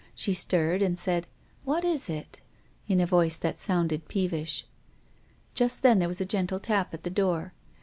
She stirred and said, " What is it ?" in a voice that sounded peevish. Just then there was a gentle tap on the door.